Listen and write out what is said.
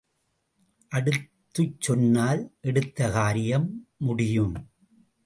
அடுத்துச் சொன்னால் எடுத்த காரியம் முடியும்.